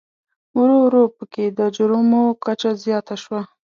ورو ورو په کې د جرمومو کچه زیاته شوه.